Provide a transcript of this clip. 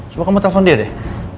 sebelum kamu telepon dia deh